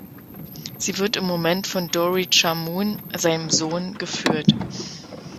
Sie wird im Moment von Dory Chamoun, seinem Sohn, geführt.